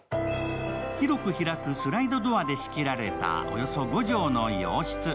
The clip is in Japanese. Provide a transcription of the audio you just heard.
広く開くスライドドアで仕切られた、およそ５畳の洋室。